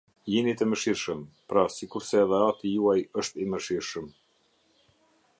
Jini të mëshirshëm, pra, sikurse edhe Ati juaj është i mëshirshëm.